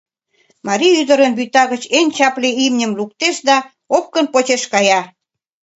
Марий ӱдырын вӱта гыч эн чапле имньым луктеш да опкын почеш кая.